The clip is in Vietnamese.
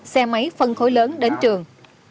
xe máy phân khối lớn đến trường